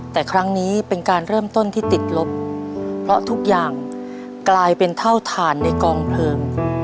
แต่ครั้งนี้เป็นการเริ่มต้นที่ติดลบเพราะทุกอย่างกลายเป็นเท่าฐานในกองเพลิง